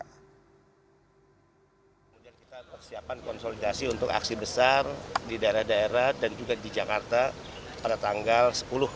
kemudian kita persiapan konsolidasi untuk aksi besar di daerah daerah dan juga di jakarta pada tanggal sepuluh